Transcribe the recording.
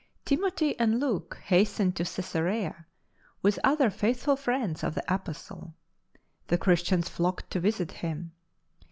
Timothy and Luke hastened to Cesarea with other faithful friends of the Apostle; the Christians flocked to visit him.